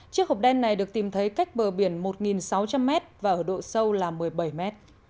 chiếc hộp đen này được tìm thấy cách bờ biển một sáu trăm linh m và ở độ sâu là một mươi bảy m